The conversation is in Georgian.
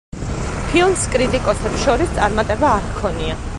ფილმს კრიტიკოსებს შორის წარმატება არ ჰქონია.